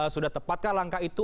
sudah tepatkah langkah itu